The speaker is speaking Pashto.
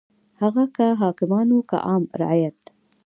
هغه که حاکمان وو که عام رعیت.